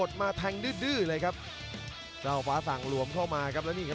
จังหวาดึงซ้ายตายังดีอยู่ครับเพชรมงคล